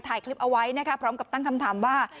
ถ่ายคลิปเอาไว้นะคะพร้อมกับตั้งคำถามว่า